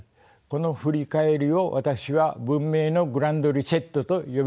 この振り返りを私は文明のグランド・リセットと呼びたいのです。